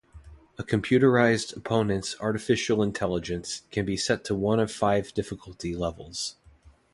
A computerized opponent's artificial intelligence can be set to one of five difficulty levels.